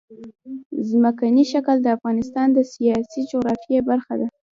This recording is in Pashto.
ځمکنی شکل د افغانستان د سیاسي جغرافیه برخه ده.